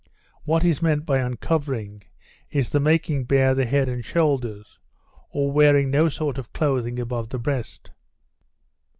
What is meant by uncovering, is the making bare the head and shoulders, or wearing no sort of clothing above the breast.